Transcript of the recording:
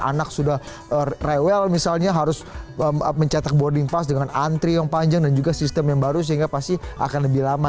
anak sudah rewel misalnya harus mencetak boarding pass dengan antri yang panjang dan juga sistem yang baru sehingga pasti akan lebih lama